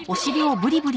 ブリブリ！